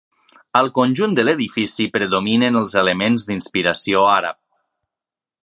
Al conjunt de l'edifici predominen els elements d'inspiració àrab.